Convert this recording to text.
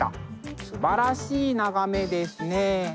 すばらしい眺めですね。